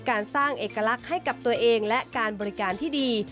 การสร้างเอกลักษณ์ให้กับตัวเองและการบริการที่ดี